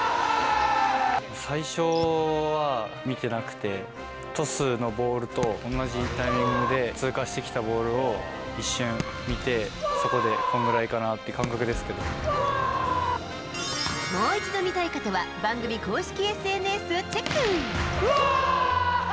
最初は見てなくて、トスのボールと同じタイミングで通過してきたボールを一瞬見て、そこで、もう一度見たい方は番組公式ＳＮＳをチェック。